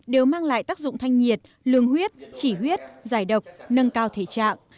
đều mang lại tác dụng thanh nhiệt lương huyết chỉ huy giải độc nâng cao thể trạng